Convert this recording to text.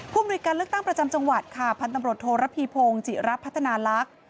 ภูมิในการเลือกตั้งประจำจังหวัดค่ะพันธมรตโทรภีพงศ์จิรัพย์พัฒนาลักษมณ์